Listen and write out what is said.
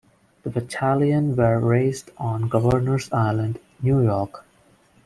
The battalions were raised on Governors Island, New York.